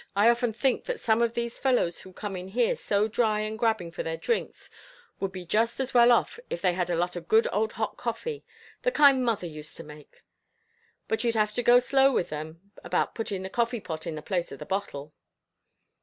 I often think that some of these fellows who come in here so dry and grabbing for their drinks, would be just as well off if they had a lot of good old hot coffee, the kind mother used to make; but you'd have to go slow with 'em, about putting the coffee pot in the place of the bottle."